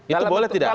itu boleh tidak